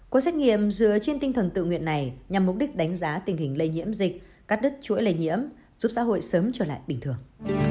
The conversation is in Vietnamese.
có xét nghiệm dựa trên tinh thần tự nguyện này nhằm mục đích đánh giá tình hình lây nhiễm dịch cắt đứt chuỗi lây nhiễm giúp xã hội sớm trở lại bình thường